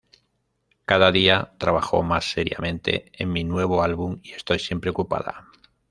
Cada día trabajo más seriamente en mi nuevo álbum y estoy siempre ocupada.